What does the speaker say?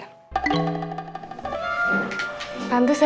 nanti malem baru kita belajar